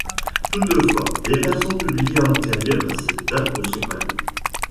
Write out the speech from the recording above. Toutefois, les versions publiées antérieures à cette date ne sont pas libres.